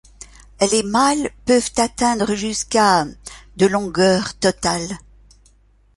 Les mâles peuvent atteindre jusqu'à de longueur totale.